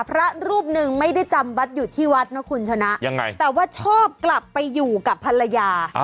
พระรูปหนึ่งไม่ได้จำวัดอยู่ที่วัดนะคุณชนะยังไงแต่ว่าชอบกลับไปอยู่กับภรรยา